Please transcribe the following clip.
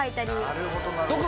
なるほど。